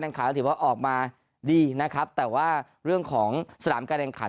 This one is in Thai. ข่าวถือว่าออกมาดีนะครับแต่ว่าเรื่องของสนามการแข่งขัน